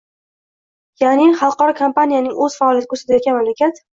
Yani xalqaro kompaniyaning o’zi faoliyat ko’rsatayotgan mamlakat.